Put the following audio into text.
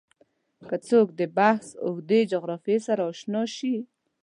که څوک د بحث اوږدې جغرافیې سره اشنا شي